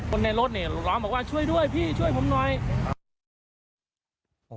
คนในรถนะอ่ะร้องมาพาบอกว่าช่วยด้วยพี่ช่วยผมหน่อย